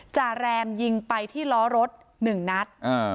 จาแรมยิงไปที่ล้อรถ๑นัด